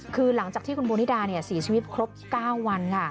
คือหลังจากที่คุณโมนิดาเสียชีวิตครบ๙วัน